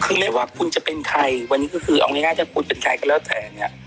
คือไม่ว่าคุณจะเป็นใครวันนี้ก็คือเอาง่ายถ้าคุณเป็นใครก็แล้วแต่เนี่ย